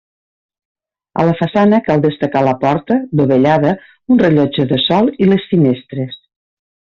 A la façana cal destacar la porta, dovellada, un rellotge de sol i les finestres.